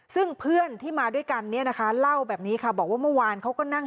ซึ่งเพื่อนที่มาด้วยกันเนี่ยนะคะเล่าแบบนี้ค่ะบอกว่าเมื่อวานเขาก็นั่ง